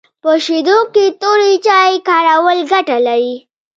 په شیدو کي توري چای کارول ګټه لري